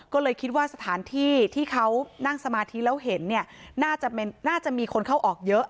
ก็เลยคิดว่าสถานที่ที่เขานั่งสมาธิแล้วเห็นเนี่ยน่าจะมีคนเข้าออกเยอะ